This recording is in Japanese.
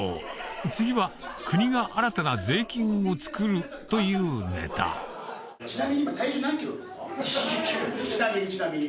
次は「国が新たな税金をつくる」というネタちなみにちなみに。